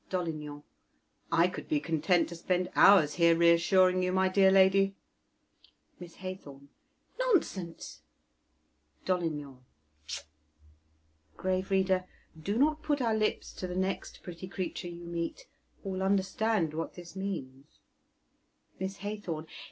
Dolignan. I could be content to spend hours here reassuring you, my dear lady. Miss Haythorn. Nonsense! Dolignan. Pweep! (Grave reader, do not put your lips to the next pretty creature you meet, or will understand what this means.) _Miss Haythorn.